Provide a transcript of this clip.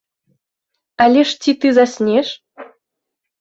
Але ж ці ты заснеш?